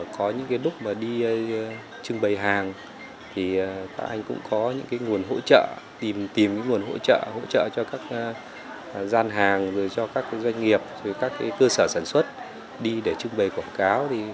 có những cái lúc mà đi trưng bày hàng thì ta cũng có những cái nguồn hỗ trợ tìm nguồn hỗ trợ cho các gian hàng cho các doanh nghiệp các cơ sở sản xuất đi để trưng bày quảng cáo